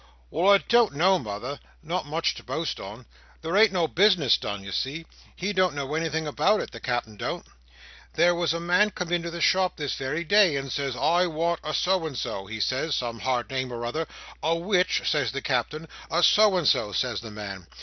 "Well, I don't know, mother; not much to boast on. There ain't no bis'ness done, you see. He don't know anything about it—the Cap'en don't. There was a man come into the shop this very day, and says, 'I want a so and so,' he says—some hard name or another. 'A which?' says the Cap'en. 'A so and so,' says the man.